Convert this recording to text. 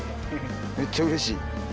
めっちゃうれしい。